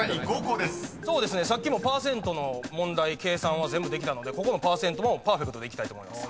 さっきのパーセントの問題計算は全部できたのでここのパーセントもパーフェクトでいきたいと思います。